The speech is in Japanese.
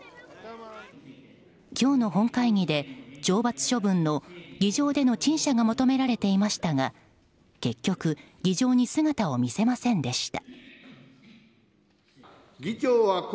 今日の本会議で懲罰処分の議場での陳謝が求められていましたが結局議場に姿を見せませんでした。